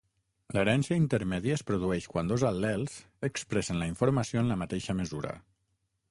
L'herència intermèdia es produeix quan dos al·lels expressen la informació en la mateixa mesura.